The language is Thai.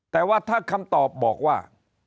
แต่ว่าถ้าคำตอบบอกว่า